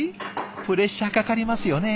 プレッシャーかかりますよね